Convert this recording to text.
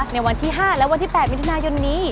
ในวันที่๕และวันที่๘มิถุนายนนี้